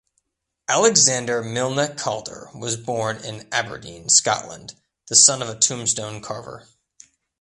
Alexander Milne Calder was born in Aberdeen, Scotland, the son of a tombstone carver.